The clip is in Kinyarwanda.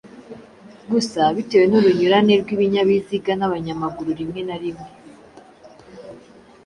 Gusa bitewe n’urunyurane rw’ibinyabiziga n’abanyamaguru rimwe na rimwe